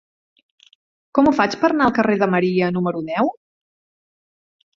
Com ho faig per anar al carrer de Maria número deu?